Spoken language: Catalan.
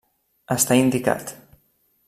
Està indicat.